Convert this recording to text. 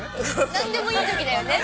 何でもいいときだよね。